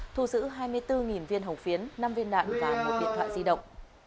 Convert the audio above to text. thu giữ hai mươi bốn viên hồng phiến năm viên đạn và một điện thoại di động